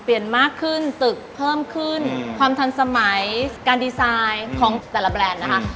มากขึ้นตึกเพิ่มขึ้นความทันสมัยการดีไซน์ของแต่ละแบรนด์นะคะ